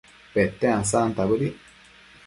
Pete ansanta bëdic